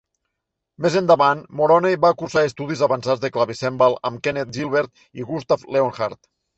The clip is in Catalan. Més endavant, Moroney va cursar estudis avançats de clavicèmbal amb Kenneth Gilbert i Gustav Leonhardt.